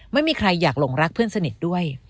ไม่มีใครอยากหลงรักเพื่อนสนิทด้วย